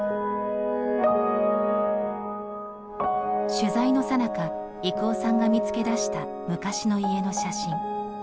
取材のさなか、郁夫さんが見つけ出した昔の家の写真。